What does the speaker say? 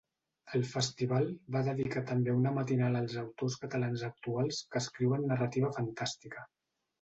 El festival va dedicar també una matinal als autors catalans actuals que escriuen narrativa fantàstica.